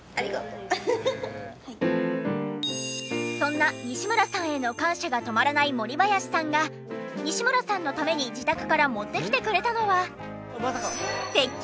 そんな西村さんへの感謝が止まらないもりばやしさんが西村さんのために自宅から持ってきてくれたのは。